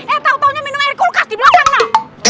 eh tau taunya minum air kulkas di belakang mah